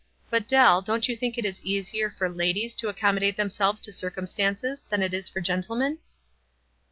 "But, Dell, don't you think it is easier for ladies to accommodate themselves to circumstances than it is for gentlemen?"